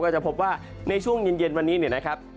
ก็จะพบว่าในช่วงเย็นวันนี้นะครับ